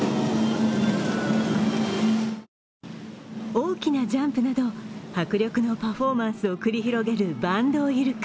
大きなジャンプなど迫力のパフォーマンスを繰り広げるバンドウイルカ。